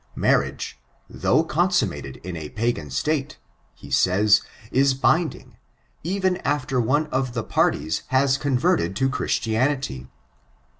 Marriage, though consummated in a pagan state, he says, is binding, even after one of the parties has been converted to Christianity.